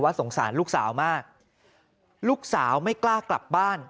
สงสารลูกสาวมากลูกสาวไม่กล้ากลับบ้าน